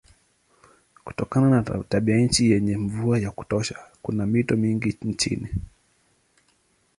Kutokana na tabianchi yenye mvua ya kutosha kuna mito mingi nchini.